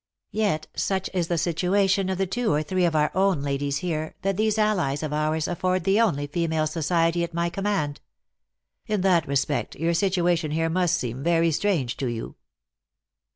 Yet such is the situation of the two or three of our own ladies here, that these allies of ours afford the only female society at my command." " In that respect your situation here must seem very strange to you."